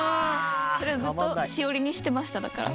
それをずっとしおりにしてました。